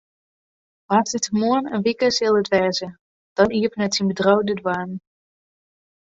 Woansdeitemoarn in wike sil it wêze, dan iepenet syn bedriuw de doarren.